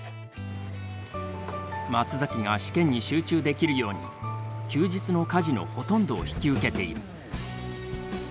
松崎が試験に集中できるように休日の家事のほとんどを引き受けている。